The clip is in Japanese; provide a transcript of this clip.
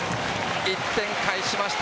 １点返しました。